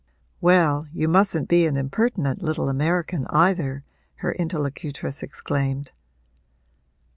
'Well, you mustn't be an impertinent little American either!' her interlocutress exclaimed.